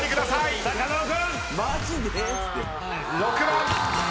６番。